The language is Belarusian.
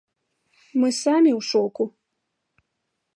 Мы самі ў шоку!